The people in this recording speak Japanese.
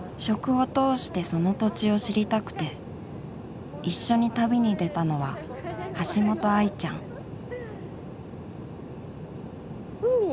食を通してその土地を知りたくて一緒に旅に出たのは橋本愛ちゃん海。